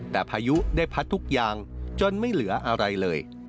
แต่พายุได้พัดทุกอย่างจนไม่เหลืออะไรเลย